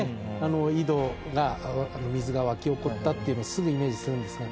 井戸が水が湧き起こったっていうのをすぐイメージするんですが。